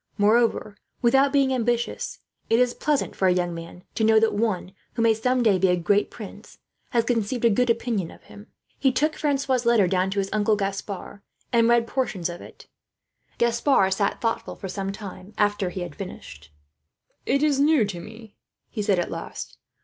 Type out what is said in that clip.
Moreover, without being ambitious, it is pleasant for a young man to know that one, who may some day be a great prince, has conceived a good opinion of him. He took Francois' letter down to his uncle Gaspard, and read portions of it to him. Gaspard sat thoughtful, for some time, after he had finished. "It is new to me," he said at last.